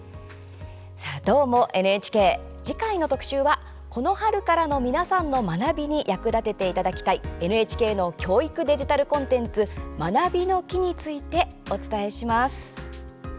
次回の特集はこの春からの皆さんの学びに役立てていただきたいＮＨＫの教育デジタルコンテンツ「まなびの木」についてお伝えします。